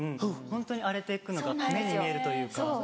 ホントに荒れて行くのが目に見えるというか。